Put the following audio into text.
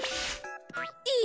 え！